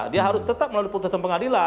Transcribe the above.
dia harus tetap melalui putusan pengadilan